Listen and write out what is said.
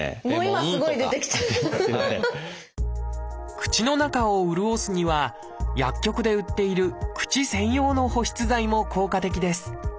口の中を潤すには薬局で売っている口専用の保湿剤も効果的です。